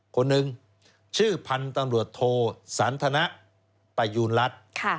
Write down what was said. คนหนึ่งชื่อพันธุ์ตำรวจโทสันทนประยูณรัฐ